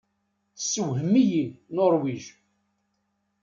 Tessewhem-iyi Nuṛwij.